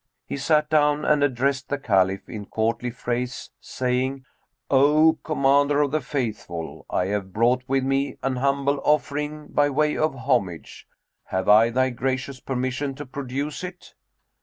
He sat down and addressed the Caliph in courtly phrase, saying, "O Commander of the Faithful, I have brought with me an humble offering by way of homage: have I thy gracious permission to produce it?"